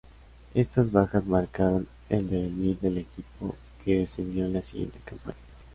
Estas bajas marcaron el devenir del equipo que descendió en la siguiente campaña.